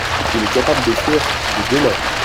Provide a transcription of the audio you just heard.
Il est capable d'écrire des deux mains.